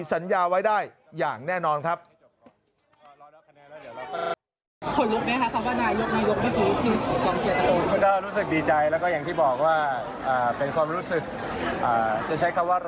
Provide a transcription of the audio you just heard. สัญญาไว้ได้อย่างแน่นอนครับ